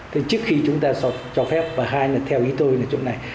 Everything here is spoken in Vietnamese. thế trước khi chúng ta cho phép và hai là theo ý tôi là chỗ này